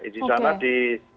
di sana di